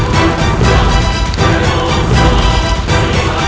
hingga akhirnya kita selesai